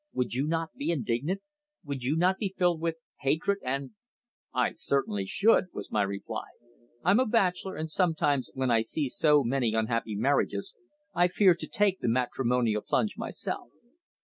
"Would you not be indignant? Would you not be filled with hatred and " "I certainly should," was my reply. "I'm a bachelor, and sometimes when I see so many unhappy marriages I fear to take the matrimonial plunge myself."